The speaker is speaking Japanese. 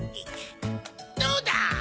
どうだ！